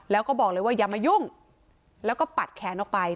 แล้วก็บอกเลยว่าอย่ามายุ่งแล้วก็ปัดแขนออกไป